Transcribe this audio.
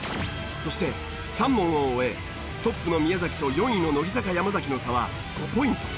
そして３問を終えトップの宮崎と４位の乃木坂山崎の差は５ポイント。